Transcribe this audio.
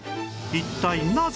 一体なぜ？